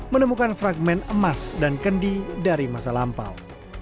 menemukan fragment emas dan kendi dari masa lampau